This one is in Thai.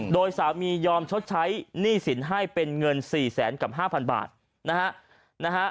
โดยสามียอมชดใช้หนี้สินให้เป็นเงินสี่แสนกับห้าพันบาทนะฮะนะฮะ